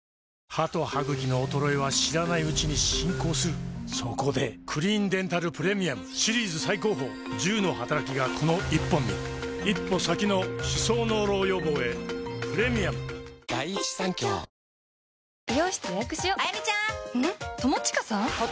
歯と歯ぐきの衰えは知らないうちに進行するそこで「クリーンデンタルプレミアム」シリーズ最高峰１０のはたらきがこの１本に一歩先の歯槽膿漏予防へプレミアム次回のゲストははい。